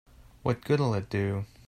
What good'll it do?